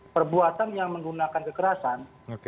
perbuatan yang menggunakan kekerasan